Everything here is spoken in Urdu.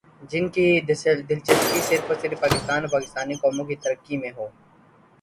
جن کی دلچسپی صرف اور صرف پاکستان اور پاکستانی قوم کی ترقی میں ہو ۔